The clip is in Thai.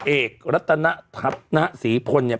เอกรัตนธัพนะศรีพลเนี่ย